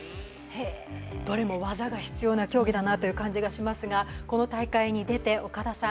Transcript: どれも技が必要な競技だなという気がしますがこの大会に出て岡田さん